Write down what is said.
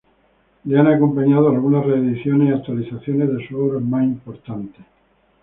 Le han acompañado algunas reediciones y actualizaciones de sus obras más importantes.